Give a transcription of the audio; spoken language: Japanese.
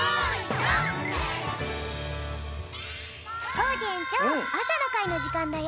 コージえんちょうあさのかいのじかんだよ。